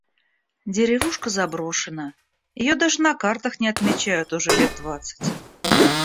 Деревушка заброшена. Ее даже на картах не отмечают уже лет двадцать.